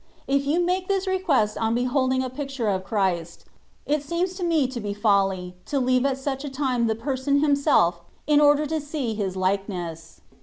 K you make this request on beholding a picture of Christ, it seems to me to be folly, to leave at such a time the Person Himself, in order to see His likeness.